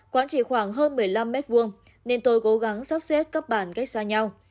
quãng chỉ khoảng hơn một mươi năm m hai nên tôi cố gắng sắp xếp các bản cách xa nhau